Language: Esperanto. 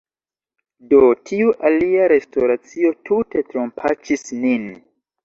Do, tiu alia restoracio tute trompaĉis nin!